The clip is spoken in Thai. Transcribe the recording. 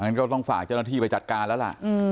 ก็ต้องฝากเจ้าหน้าที่ไปจัดการแล้วล่ะ